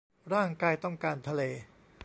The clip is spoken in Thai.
ร่างกายต้องการทะเล